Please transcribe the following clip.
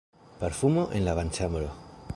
Parfumo en la banĉambro.